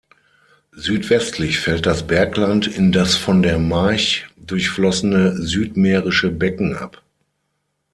Südwestlich fällt das Bergland in das von der March durchflossene Südmährische Becken ab.